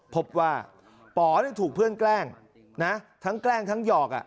พบว่าป๋อถูกเพื่อนแกล้งนะทั้งแกล้งทั้งหยอก